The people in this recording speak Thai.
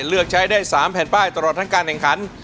เลือกใช้ได้๓แผ่นป้ายตลอดทั้งการแข่งขัน